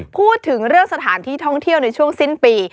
พูดถึงเรื่องสถานที่ท่องเที่ยวในช่วงสิ้นปี